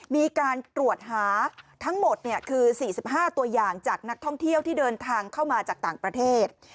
มีการตรวจหาทั้งหมดคือ๔๕ตัวอย่างจากนักท่องเที่ยวที่เดินทางเข้ามาจากต่างประเทศ